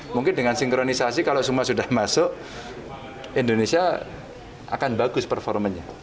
mungkin dengan sinkronisasi kalau semua sudah masuk indonesia akan bagus performanya